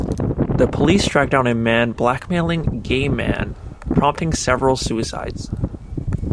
The police track down a man blackmailing gay men, prompting several suicides.